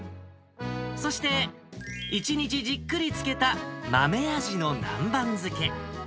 そして、１日じっくり漬けた豆アジの南蛮漬け。